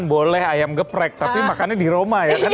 boleh ayam geprek tapi makannya di roma ya kan